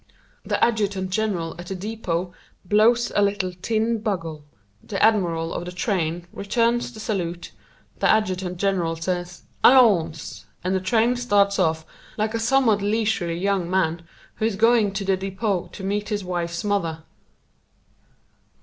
The adjutant general at the depot blows a little tin bugle, the admiral of the train returns the salute, the adjutant general says "Allons!" and the train starts off like a somewhat leisurely young man who is going to the depot to meet his wife's mother.